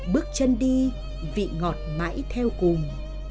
bước chân đi vị ngọt mãi theo cùng